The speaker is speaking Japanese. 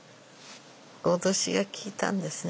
脅しが効いたんですね